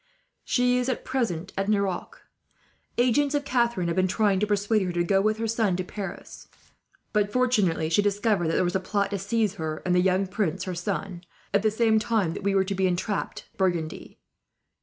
She is at present at Nerac. Agents of Catharine have been trying to persuade her to go with her son to Paris; but fortunately, she discovered that there was a plot to seize her, and the young prince her son, at the same time that we were to be entrapped in Burgundy.